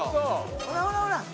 ほらほらほら！